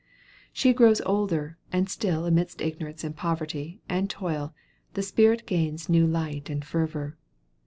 She grows older, and still, amid ignorance, and poverty, and toil, the spirit gains new light and fervor.